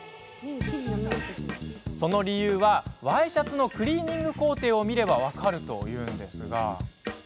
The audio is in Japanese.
その理由は、ワイシャツのクリーニング工程を見れば分かるというのですが。